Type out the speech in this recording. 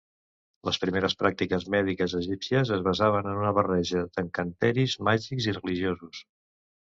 Les primeres pràctiques mèdiques egípcies es basaven en una barreja d'encanteris màgics i religiosos.